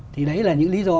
thì đấy là những lý do